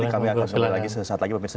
nanti kami akan jumpa lagi sesaat lagi pemirsa